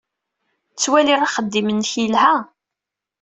Ttwaliɣ axeddim-nnek yelha.